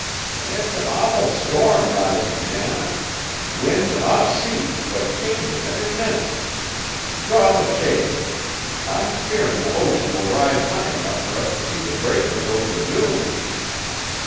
"It's an awful storm risin', Janet. Wind off sea, but changin' every minute. Draw the shade. I'm fearin' the ocean will rise high enough fur us t' see the breakers over the dunes!